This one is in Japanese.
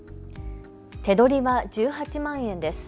手取りは１８万円です。